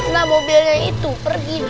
nah mobilnya itu pergi